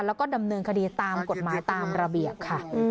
แล้วก็ดำเนินคดีตามกฎหมายตามระเบียบค่ะ